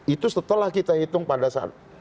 itu setelah kita hitung pada saat